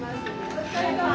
お疲れさま。